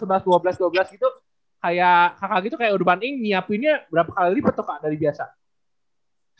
miapuinnya berapa kali lipat tuh kak dari biasa